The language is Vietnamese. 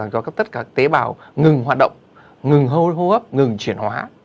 cho tất cả các tế bào ngừng hoạt động ngừng hô hấp ngừng chuyển hóa